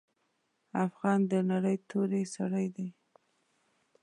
افغان د نرۍ توري سړی دی.